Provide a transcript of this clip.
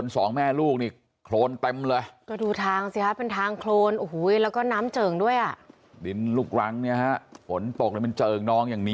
สักพอดีเลย